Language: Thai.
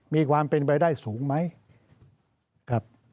มีความเป็นใบได้สูงไหม